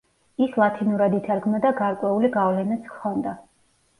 ის ლათინურად ითარგმნა და გარკვეული გავლენაც ჰქონდა.